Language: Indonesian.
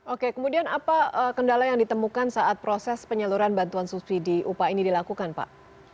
oke kemudian apa kendala yang ditemukan saat proses penyaluran bantuan subsidi upah ini dilakukan pak